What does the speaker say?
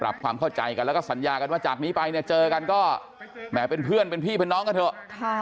ความเข้าใจกันแล้วก็สัญญากันว่าจากนี้ไปเนี่ยเจอกันก็แหมเป็นเพื่อนเป็นพี่เป็นน้องกันเถอะ